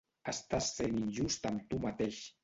Estàs sent injust amb tu mateix.